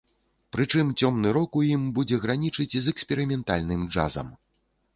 Прычым цёмны рок у ім будзе гранічыць з эксперыментальным джазам.